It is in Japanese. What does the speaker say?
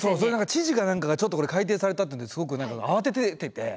知事か何かがちょっと改定されたっていうんですごく何か慌てて。